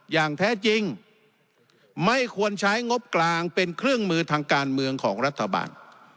อย่างแท้จริงไม่ควรใช้งบกลางเป็นเครื่องมือทางการเมืองของรัฐบาล